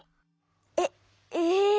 えっえ？